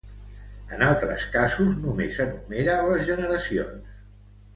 En altres casos, només enumera les generacions.